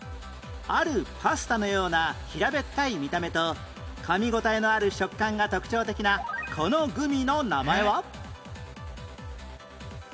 あるパスタのような平べったい見た目とかみ応えのある食感が特徴的なこのグミの名前は？